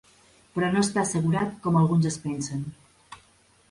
Però no està assegurat com alguns es pensen.